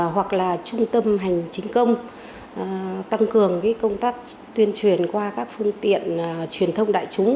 hoặc là trung tâm hành chính công tăng cường công tác tuyên truyền qua các phương tiện truyền thông đại chúng